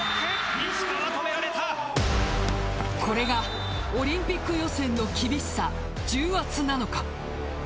これがオリンピック予選の厳しさ重圧なのか。